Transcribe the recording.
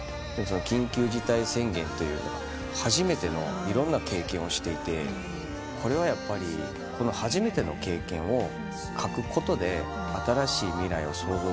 緊急事態宣言という初めてのいろんな経験をしていてこれはやっぱり初めての経験を書くことで新しい未来を想像する。